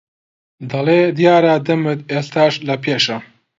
دەڵێ دیارە دەمت ئێستاش لەپێشە